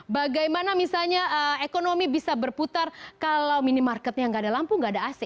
bagaimana misalnya ekonomi bisa berputar kalau minimarketnya nggak ada lampu nggak ada ac